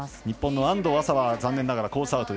日本の安藤麻は残念ながらコース